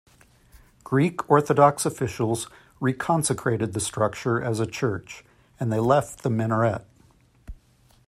Greek Orthodox officials reconsecrated the structure as a church, and they left the minaret.